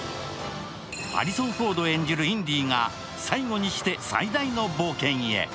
ハリソン・フォード演じるインディが最後にして最大の冒険へ。